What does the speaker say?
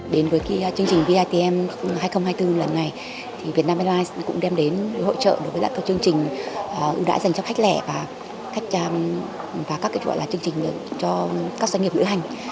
đến với chương trình vatm hai nghìn hai mươi bốn lần này việt nam airlines cũng đem đến hội trợ đối với các chương trình ưu đãi dành cho khách lẻ và các chương trình truyền thông